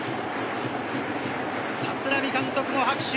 立浪監督も拍手。